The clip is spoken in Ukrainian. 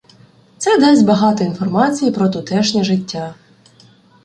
Це дасть багато інформації про тутешнє життя